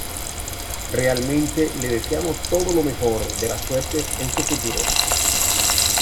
Realmente le deseamos todo lo mejor de las suertes en su futuro!